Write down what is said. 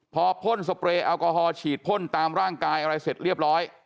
พอพ่นสเปรย์แอลกอฮอลฉีดพ่นตามร่างกายอะไรเสร็จเรียบร้อย